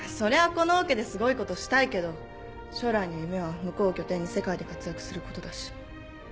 このオケですごいことしたいけど将来の夢は向こうを拠点に世界で活躍することだし。